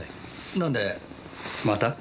なんでまた。